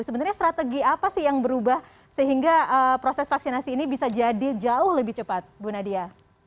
sebenarnya strategi apa sih yang berubah sehingga proses vaksinasi ini bisa jadi jauh lebih cepat bu nadia